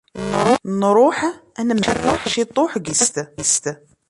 Nruḥ ad nmerreḥ ciṭuḥ deg teftist.